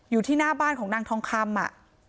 อยู่ที่หน้าบ้านของนางทองคำ